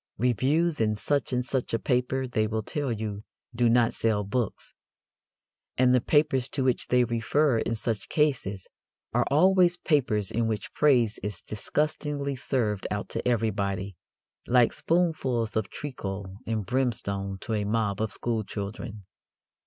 Reviews in such and such a paper, they will tell you, do not sell books. And the papers to which they refer in such cases are always papers in which praise is disgustingly served out to everybody, like spoonfuls of treacle and brimstone to a mob of schoolchildren.